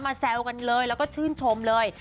แซวกันเลยแล้วก็ชื่นชมเลย